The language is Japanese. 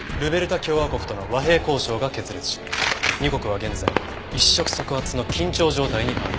共和国との和平交渉が決裂し２国は現在一触即発の緊張状態にある。